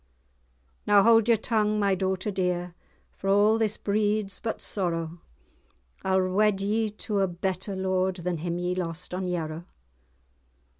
"Now haud[#] your tongue, my daughter dear, For a' this breeds but sorrow; I'll wed ye to a better lord, Than him ye lost on Yarrow."